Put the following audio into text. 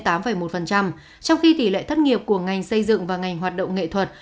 trong khi tỷ lệ thất nghiệp của ngành xây dựng và ngành hoạt động nghệ thuật